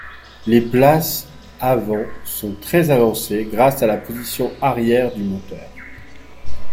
Les places avant sont très avancées grâce à la position arrière du moteur.